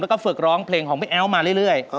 แล้วก็ฝึกร้องเพลงของแม่แอ๊วมาเรื่อย